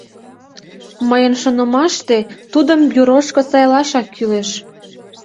— Мыйын шонымаште, тудым бюрошко сайлашак кӱлеш.